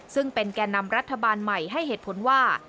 ซึ่งเป็นแก่นำรัฐบาลใหม่ให้เหตุผลว่า